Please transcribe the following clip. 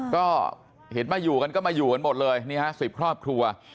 ก็เห็นมาอยู่กันก็มาอยู่กันหมดเลยนี่ฮะ๑๐ครอบครัว